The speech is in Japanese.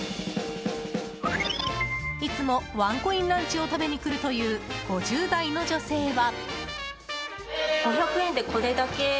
いつもワンコインランチを食べに来るという５０代の女性は。